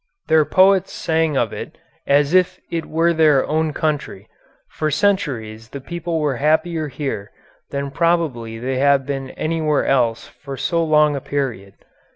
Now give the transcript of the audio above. Their poets sang of it as if it were their own country; for centuries the people were happier here than probably they have been anywhere else for so long a period.